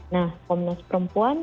nah komnas perempuan